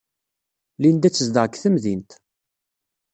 Linda ad tezdeɣ deg temdint.